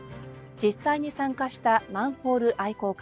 実際に参加したマンホール愛好家は。